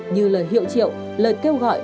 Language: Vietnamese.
như lời hiệu triệu lời kêu gọi